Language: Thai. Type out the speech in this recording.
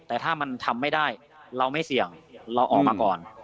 แต่ถ้ามันทำไม่ได้เราไม่เสี่ยงเราออกมาก่อน